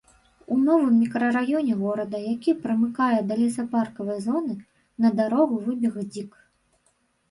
У новым мікрараёне горада, які прымыкае да лесапаркавай зоны, на дарогу выбег дзік.